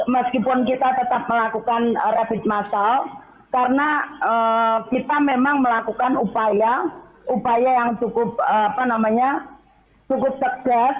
meskipun kita tetap melakukan rapid massal karena kita memang melakukan upaya yang cukup tegas